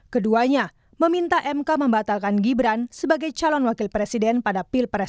keduanya meminta mk membatalkan gibran sebagai calon wakil presiden pada pilpres dua ribu sembilan belas